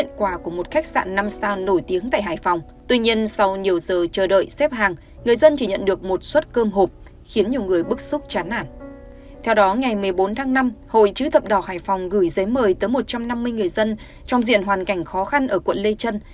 chứ thập đỏ hải phòng gửi giấy mời tới một trăm năm mươi người dân trong diện hoàn cảnh khó khăn ở quận lê trân